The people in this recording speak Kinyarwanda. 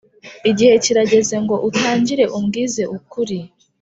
igihe kirageze ngo utangire umbwize ukuri.